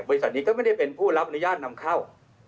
บริษัทนี้ก็ไม่ได้เป็นผู้รับอนุญาตนำเข้า